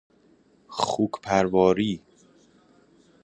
خوک پرواری